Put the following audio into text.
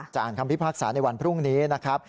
อ่านคำพิพากษาในวันพรุ่งนี้นะครับ